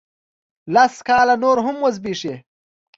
لس کاله نور هم وزبیښي